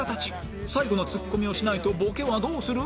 最後のツッコミをしないとボケはどうする？